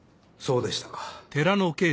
そうでしたか。